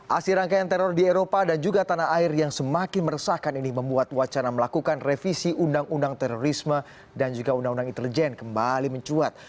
aksi rangkaian teror di eropa dan juga tanah air yang semakin meresahkan ini membuat wacana melakukan revisi undang undang terorisme dan juga undang undang intelijen kembali mencuat